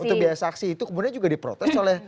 butuh biaya saksi itu kemudian juga diprotes oleh